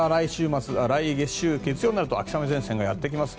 来週月曜日になると秋雨前線がやってきます。